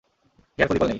Hair follicle নেই।